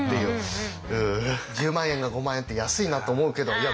１０万円が５万円って安いなと思うけどいや